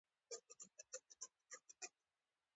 وزې د طبعیت خوا ته ځي